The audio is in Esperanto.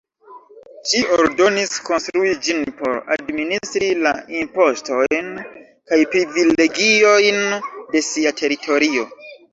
Ŝi ordonis konstrui ĝin por administri la impostojn kaj privilegiojn de sia teritorio.